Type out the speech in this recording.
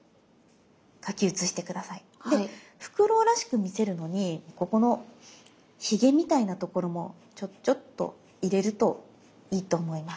でフクロウらしく見せるのにここのひげみたいなところもチョッチョッと入れるといいと思います。